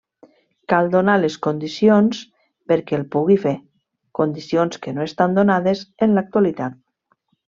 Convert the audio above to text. Cal donar les condicions perquè el pugui fer, condicions que no estan donades en l'actualitat.